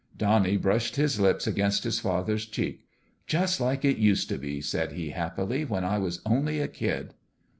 Donnie brushed his lips against his father's cheek. " Just like it used to be," said he, hap pily, " when I was only a kid."